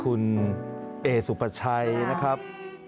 คุณเอสุปชัยนะครับ